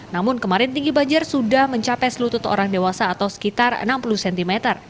namun kemarin tinggi banjir sudah mencapai selutut orang dewasa atau sekitar enam puluh cm